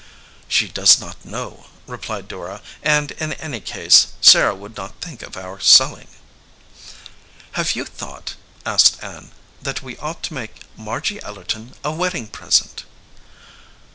"She does not know," replied Dora, "and in any case Sarah would not think of our selling." "Have you thought," asked Ann, "that we ought to make Margy Ellerton a wedding present?"